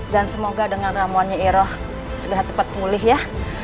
semoga dengan ramuannya iroh segera cepat pulih ya